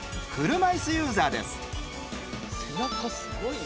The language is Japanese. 車椅子ユーザーです。